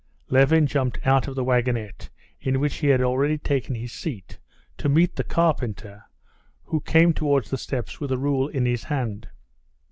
Levin jumped out of the wagonette, in which he had already taken his seat, to meet the carpenter, who came towards the steps with a rule in his hand.